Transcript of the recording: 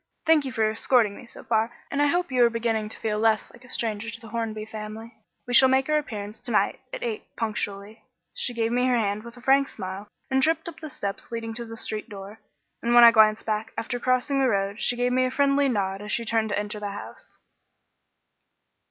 Thank you for escorting me so far, and I hope you are beginning to feel less like a stranger to the Hornby family. We shall make our appearance to night at eight punctually." She gave me her hand with a frank smile and tripped up the steps leading to the street door; and when I glanced back, after crossing the road, she gave me a little friendly nod as she turned to enter the house.